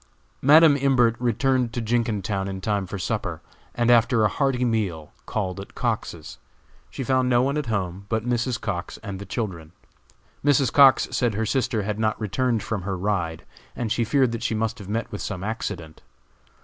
Madam Imbert returned to Jenkintown in time for supper, and, after a hearty meal, called at Cox's. She found no one at home but Mrs. Cox and the children. Mrs. Cox said her sister had not returned from her ride, and she feared that she must have met with some accident.